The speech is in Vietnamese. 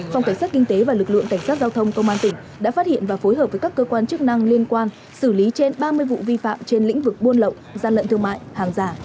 phòng cảnh sát kinh tế và lực lượng cảnh sát giao thông công an tỉnh đã phát hiện và phối hợp với các cơ quan chức năng liên quan xử lý trên ba mươi vụ vi phạm trên lĩnh vực buôn lậu gian lận thương mại hàng giả